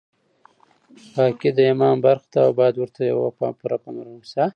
پاکي د ایمان برخه ده او باید ورته پوره پاملرنه وشي.